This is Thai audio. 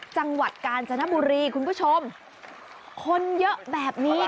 จังหวัดกาญจนบุรีคุณผู้ชมคนเยอะแบบนี้